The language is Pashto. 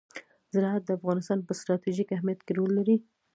زراعت د افغانستان په ستراتیژیک اهمیت کې رول لري.